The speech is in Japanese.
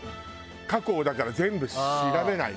過去をだから全部調べないと。